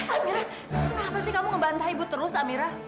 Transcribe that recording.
amira kenapa sih kamu ngebantah ibu terus amira